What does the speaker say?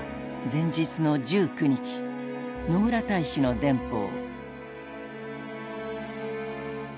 前日の１９日野村大使の電報。